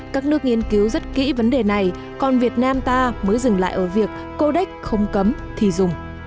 các nước nghiên cứu rất kỹ vấn đề này còn việt nam ta mới dừng lại ở việc codex không cấm thì dùng